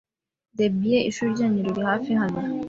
Debbie, ishuri ryanyu riri hafi hano?